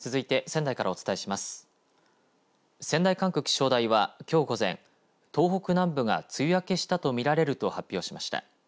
仙台管区気象台は、きょう午前東北南部が梅雨明けしたと見られると発表しました。